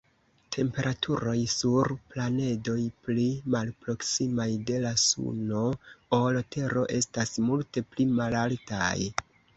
Temperaturoj sur planedoj pli malproksimaj de la Suno ol Tero estas multe pli malaltaj.